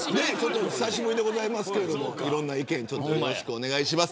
久しぶりですけどいろんな意見よろしくお願いします。